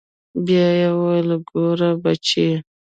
بيا يې وويل ګوره بچى.